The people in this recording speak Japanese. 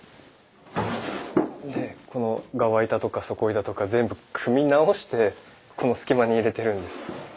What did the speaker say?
でこの側板とか底板とか全部組み直してこの隙間に入れてるんです。